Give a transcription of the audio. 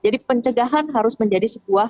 jadi pencegahan harus menjadi sebuah keuntungan